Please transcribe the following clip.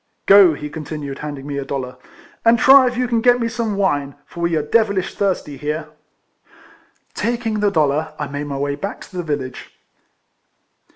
" Go," he continued, handing me a dollar, " and try if you can get some wine ; for we are devilish thirsty here." Taking the dollar, I made my way back to the village.